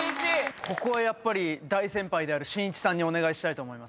ここはやっぱり大先輩であるしんいちさんにお願いしたいと。